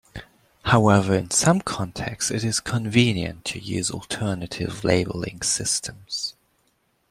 However, in some contexts, it is convenient to use alternative labeling systems.